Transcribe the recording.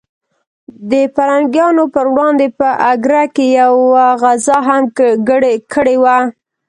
د پرنګیانو پر وړاندې په اګره کې یوه غزا هم کړې وه.